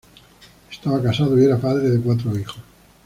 Estaba casado y era padre de cuatro hijos.